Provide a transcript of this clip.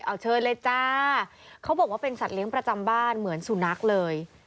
เอาเชิญเลยจ้าเขาบอกว่าเป็นสัตว์เลี้ยงประจำบ้านเหมือนสุนัขเลย